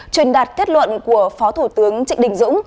truyền đặt thiết luận của phó thủ tướng trịnh đình dũng